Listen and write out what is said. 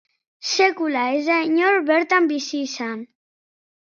Sekula ez da inor bertan bizi izan.